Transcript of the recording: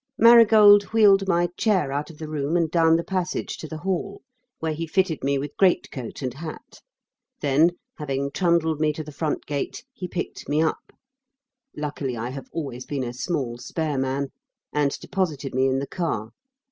Marigold wheeled my chair out of the room and down the passage to the hall, where he fitted me with greatcoat and hat. Then, having trundled me to the front gate, he picked me up luckily I have always been a small spare man and deposited me in the car.